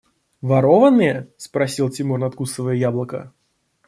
– Ворованные? – спросил Тимур, надкусывая яблоко.